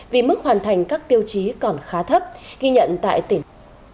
vì mức hoàn thành các tiêu chí còn khá thấp ghi nhận tại tỉnh